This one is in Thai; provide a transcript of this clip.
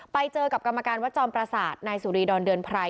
ไปเจอกับกรรมการวัดจอมประสาทนายสุรีดอนเดือนไพร